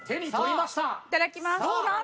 いただきます。